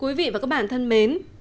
quý vị và các bạn thân mến